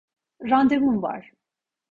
Randevum var.